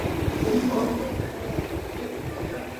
oikonte'arãvoi